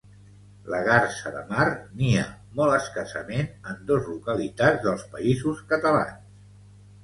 La garsa de mar nia molt escassament en dos localitats dels Països Catalans